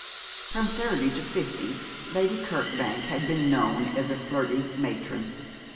From thirty to fifty Lady Kirkbank had been known as a flirty matron.